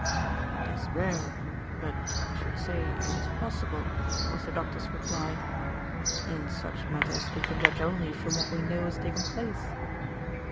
"It is rare; but I should say it is possible," was the doctor's reply. "In such matters we can judge only from what we know has taken place."